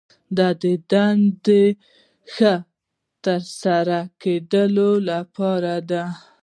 دا د دندو د ښه ترسره کیدو لپاره دي.